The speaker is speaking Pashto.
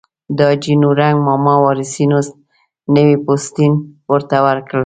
د حاجي نورنګ ماما وارثینو نوی پوستین ورته ورکړ.